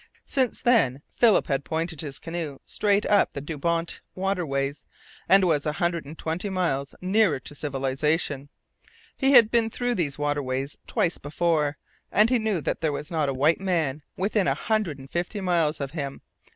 Since then Philip had pointed his canoe straight UP the Dubawnt waterways, and was a hundred and twenty miles nearer to civilization. He had been through these waterways twice before, and he knew that there was not a white man within a hundred and fifty miles of him.